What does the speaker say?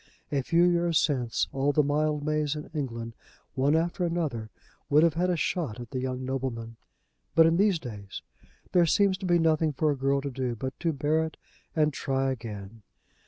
A few years since all the Mildmays in England, one after another, would have had a shot at the young nobleman. But in these days there seems to be nothing for a girl to do but to bear it and try again.